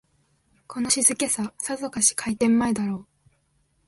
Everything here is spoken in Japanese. この静けさ、さぞかし開店前だろう